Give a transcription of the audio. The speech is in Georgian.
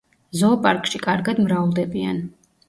ზოოპარკში კარგად მრავლდებიან.